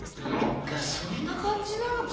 そんな感じなのか？